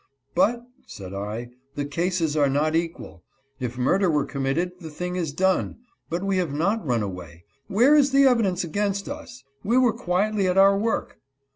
"But," said I, "the cases are not equal ; if murder were committed, — the thing is done ! but we have not run away. Where is the evidence against us ? We were quietly at our work."